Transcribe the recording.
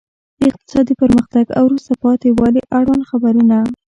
د اقتصادي پرمختګ او وروسته پاتې والي اړوند خبرونه.